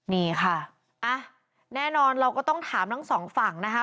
นี่ค่ะแน่นอนเราก็ต้องถามทั้งสองฝั่งนะคะ